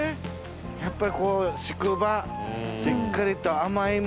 やっぱりこう宿場しっかりと。